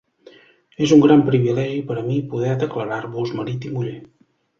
És un gran privilegi per a mi poder declarar-vos marit i muller.